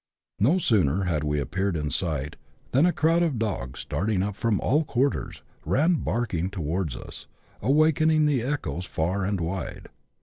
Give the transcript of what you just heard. No sooner had we appeared in sight, than a crowd of dogs, starting up from all quarters, ran barking towards us, awakening the echoes far and wide.